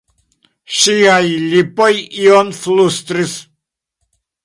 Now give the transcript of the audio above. Ŝiaj lipoj ion flustris.